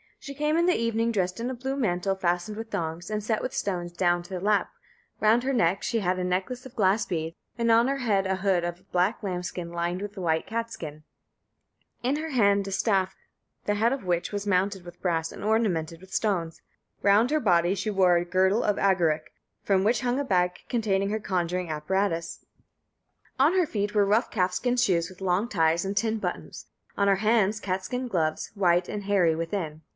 She came in the evening dressed in a blue mantle fastened with thongs and set with stones down to the lap; round her neck she had a necklace of glass beads, on her head a hood of black lambskin lined with white catskin; in her hand a staff, the head of which was mounted with brass and ornamented with stones; round her body she wore a girdle of agaric (knoske), from which hung a bag containing her conjuring apparatus; on her feet were rough calfskin shoes with long ties and tin buttons, on her hands catskin gloves, white and hairy within.